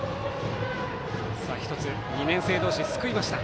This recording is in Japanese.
１つ、２年生同士で救いました。